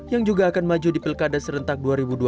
yang juga akan maju di pilkada serentak dua ribu dua puluh